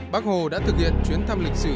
bác hồ đã thực hiện chuyến thăm lịch sử